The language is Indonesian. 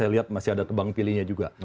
saya lihat masih ada tebang pilihnya juga